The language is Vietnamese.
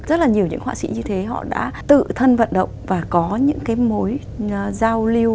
rất là nhiều những họa sĩ như thế họ đã tự thân vận động và có những cái mối giao lưu